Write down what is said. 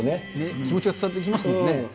気持ちは伝わってきますよね。